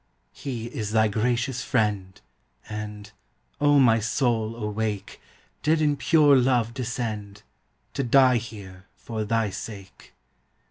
He is thy gracious friend, And (O my soul awake!) Did in pure love descend, To die here for thy sake.